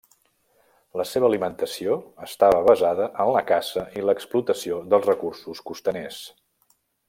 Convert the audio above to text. La seva alimentació estava basada en la caça i en l'explotació dels recursos costaners.